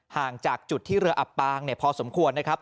ห่างจากจุดที่เรืออับปางพอสมควรนะครับ